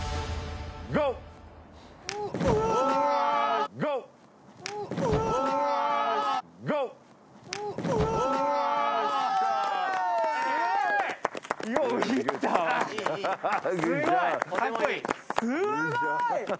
・すごい！